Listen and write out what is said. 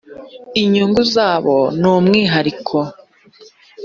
inyungu zabo numwihariko.